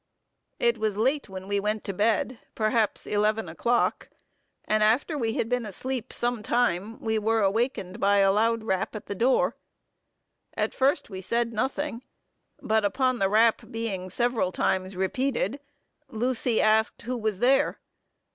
"It was late when we went to bed, perhaps eleven o'clock; and after we had been asleep some time, we were awakened by a loud rap at the door. At first we said nothing; but upon the rap being several times repeated, Lucy asked who was there.